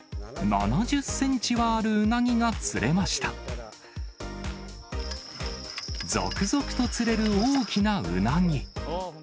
７０センチはあるウナギが釣続々と釣れる大きなウナギ。